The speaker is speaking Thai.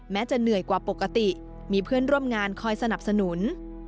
จะเหนื่อยกว่าปกติมีเพื่อนร่วมงานคอยสนับสนุน